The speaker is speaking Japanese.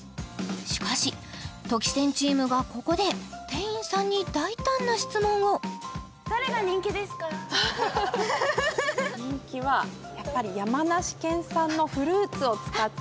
しかしとき宣チームがここで店員さんに大胆な質問を人気はやっぱり山梨県産フルーツ！